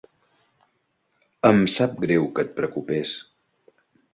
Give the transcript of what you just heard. Em sap greu que et preocupés.